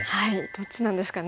どっちなんですかね。